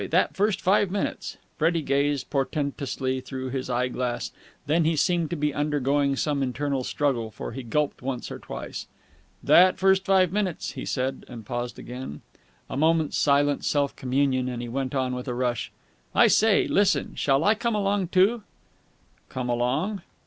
that first five minutes!" Freddie gazed portentously through his eye glass. Then he seemed to be undergoing some internal struggle, for he gulped once or twice. "That first five minutes!" he said, and paused again. A moment's silent self communion, and he went on with a rush. "I say, listen. Shall I come along, too?" "Come along?"